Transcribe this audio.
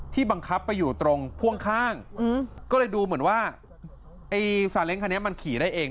บังคับไปอยู่ตรงพ่วงข้างก็เลยดูเหมือนว่าไอ้ซาเล้งคันนี้มันขี่ได้เอง